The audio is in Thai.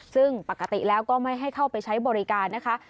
ซึ่งปกติแล้วก็ไม่ให้เข้าไปใช้บริการนะคะ